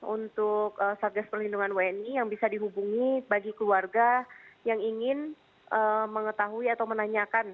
untuk satgas perlindungan wni yang bisa dihubungi bagi keluarga yang ingin mengetahui atau menanyakan